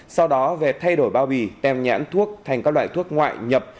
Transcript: sau đó về thay đổi bao bì tem nhãn thuốc thành các loại thuốc ngoại nhập